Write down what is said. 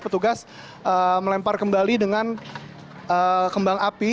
petugas melempar kembali dengan kembang api